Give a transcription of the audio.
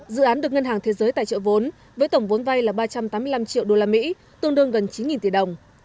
dự án được ngân hàng thế giới tài trợ vốn với tổng vốn vay là ba trăm tám mươi năm triệu usd tương đương gần chín tỷ đồng